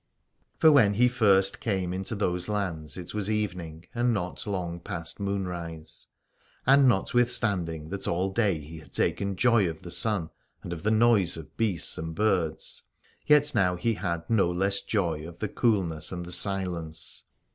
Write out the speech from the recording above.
For when he first came into those lands it was evening, and not long past moonrise : and notwithstanding that all day he had taken joy of the sun and of the noise of beasts and birds, yet now he had no less joy of the coolness and the silence.